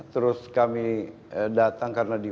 terus kami datang karena di